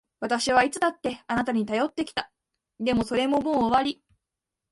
私はいつだってあなたに頼ってきた。でも、それももう終わり。